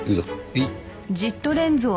はい。